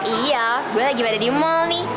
iya gue lagi pada di mall nih